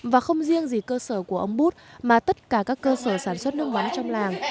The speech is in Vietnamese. và không riêng gì cơ sở của ống bút mà tất cả các cơ sở sản xuất nước mắm trong làng